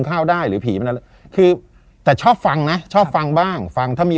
ข้าวได้หรือผีมันอะไรคือแต่ชอบฟังนะชอบฟังบ้างฟังถ้ามี